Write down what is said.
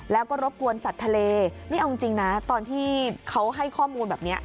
แล้วก็รบกวนสัตว์ทะเลนี่เอาจริงนะตอนที่เขาให้ข้อมูลแบบนี้